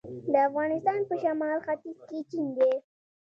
د افغانستان په شمال ختیځ کې چین دی